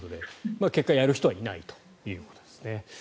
結果、やる人はいないということですね。